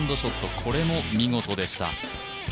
これも見事でした。